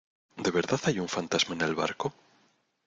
¿ de verdad hay un fantasma en el barco?